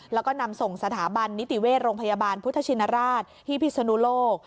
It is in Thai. แล้วก็นำส่งสถาบันนิติเวชโรงพยาบาลพุทธชินราชที่พิศนุโลก